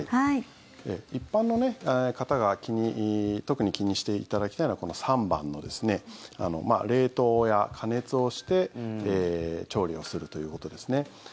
一般の方が特に気にしていただきたいのはこの３番の冷凍や加熱をして調理をするということですね。